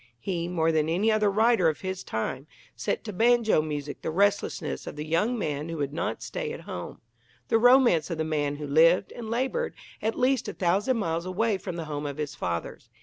He, more than any other writer of his time, set to banjo music the restlessness of the young man who would not stay at home the romance of the man who lived and laboured at least a thousand miles away from the home of his fathers.